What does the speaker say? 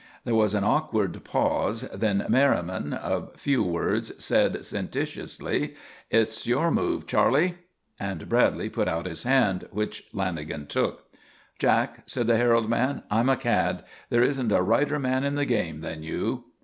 There was an awkward pause. Then Merriman, of few words, said sententiously: "It's your move, Charley." And Bradley put out his hand, which Lanagan took. "Jack," said the Herald man, "I'm a cad. There isn't a righter man in the game than you."